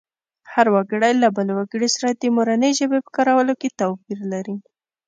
هر وګړی له بل وګړي سره د مورنۍ ژبې په کارولو کې توپیر لري